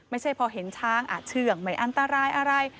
ไม่ใช่พอเห็นช้างอาจเชื่องไม่อันตรายอะไร